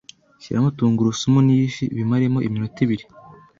Shyiramo tungurusumu n’ifi bimaremo iminota ibiri